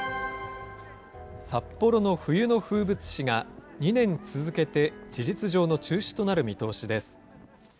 札幌の冬の風物詩が、２年続けて事実上の中止となる見通しです。